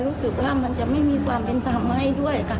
รู้สึกว่ามันจะไม่มีความเป็นธรรมให้ด้วยค่ะ